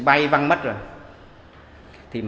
bữa rồi mà